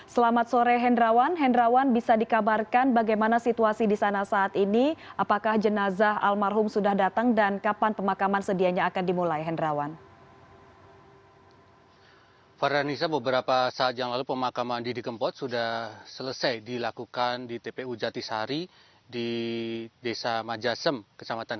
selamat sore hendrawan hendrawan bisa dikabarkan bagaimana situasi di sana saat ini apakah jenazah almarhum sudah datang dan kapan pemakaman sedianya akan dimulai hendrawan